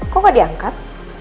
kok gak diangkat